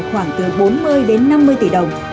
khoảng từ bốn mươi đến năm mươi tỷ đồng